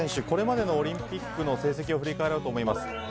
これまでのオリンピックの成績を振り返ろうと思います。